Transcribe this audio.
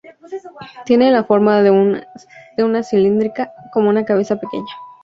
Tiene la forma de una cilíndrica, como una cabeza pequeña.